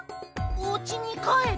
おうちにかえる？